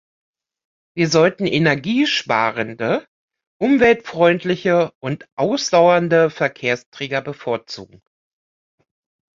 Wir sollten energiesparende, umweltfreundliche und ausdauernde Verkehrsträger bevorzugen.